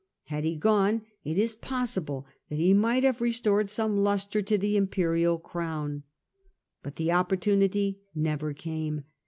Had he gone it is possible that he might have restored some lustre to the imperial crown. But the opportunity never came.